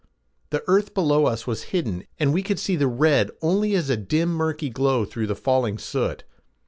The earth below us was hidden and we could see the red only as a dim murky glow through the falling soot.